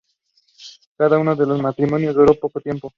Cada uno de sus matrimonios duró poco tiempo.